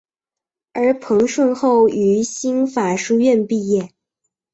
而彭顺后于新法书院毕业。